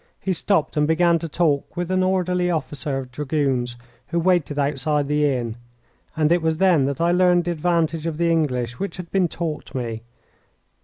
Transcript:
He stopped and began to talk with an orderly officer of dragoons, who waited outside the inn, and it was then that I learned the advantage of the English which had been taught me.